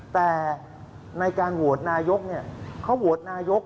แต่ในการโหวตนายกเขาโหวตนายก